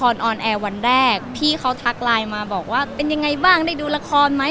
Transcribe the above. ออนแอร์วันแรกพี่เขาทักไลน์มาบอกว่าเป็นยังไงบ้างได้ดูละครไหม